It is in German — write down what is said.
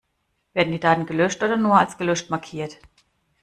Werden die Daten gelöscht oder nur als gelöscht markiert?